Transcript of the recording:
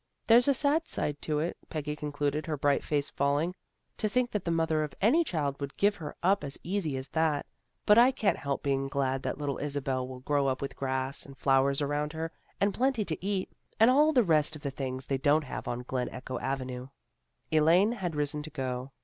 There's a sad side to it," Peggy concluded, her bright face falling, " to think that the mother of any child would give her up as easy as that, but I can't help being glad that little Isabel will grow up with grass and flowers around her, and plenty to eat, and all the rest of the things they don't have on Glen Echo Avenue." Elaine had risen to go.